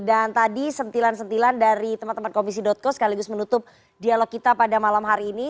dan tadi sentilan sentilan dari teman teman komisi co sekaligus menutup dialog kita pada malam hari ini